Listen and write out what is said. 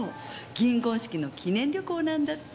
銀婚式の記念旅行なんだって。